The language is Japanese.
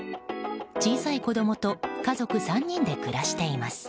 小さい子供と家族３人で暮らしています。